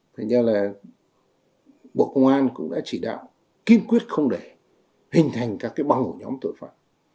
thật ra là bộ công an cũng đã chỉ đạo kiên quyết không để hình thành các băng hồi nhóm tội phạm